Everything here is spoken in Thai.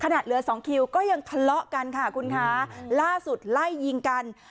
เหลือสองคิวก็ยังทะเลาะกันค่ะคุณคะล่าสุดไล่ยิงกัน